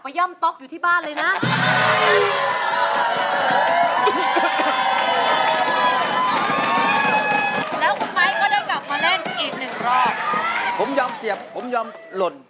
ผมยอมเสียบผมยอมหล่น